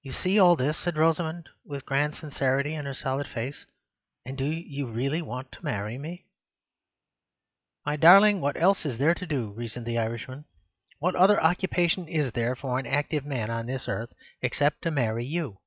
"You see all this," said Rosamund, with a grand sincerity in her solid face, "and do you really want to marry me?" "My darling, what else is there to do?" reasoned the Irishman. "What other occupation is there for an active man on this earth, except to marry you?